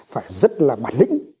phải rất là bản lĩnh